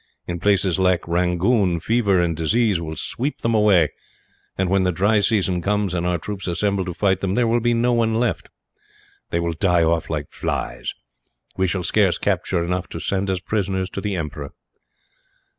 In places like Rangoon fever and disease will sweep them away and, when the dry season comes and our troops assemble to fight them, there will be none left. They will die off like flies. We shall scarce capture enough to send as prisoners to the emperor."